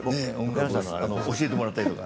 教えてもらったりとか。